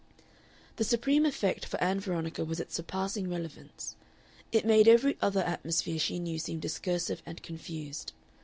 The supreme effect for Ann Veronica was its surpassing relevance; it made every other atmosphere she knew seem discursive and confused.